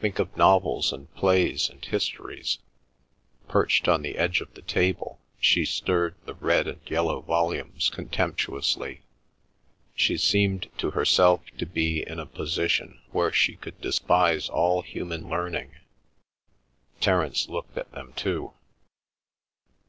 "Think of novels and plays and histories—" Perched on the edge of the table, she stirred the red and yellow volumes contemptuously. She seemed to herself to be in a position where she could despise all human learning. Terence looked at them too.